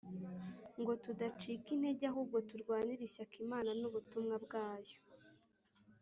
ngo tudacika intege ahubwo turwanire ishyaka Imana n ubutumwa bwayo